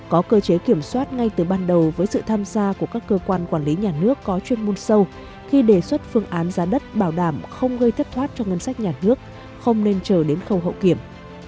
có cơ chế kiểm soát ngay từ ban đầu với sự tham gia của các cơ quan quản lý nhà nước có chuyên môn sâu khi đề xuất phương án giá đất bảo đảm không gây thất thoát cho ngân sách nhà nước không nên chờ đến khâu hậu kiểm